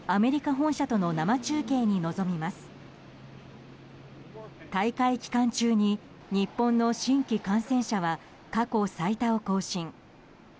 大会期間中に日本の新規感染者は過去最多を更新。